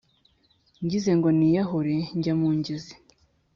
Ngize ngo niyahure njye mu ngezi,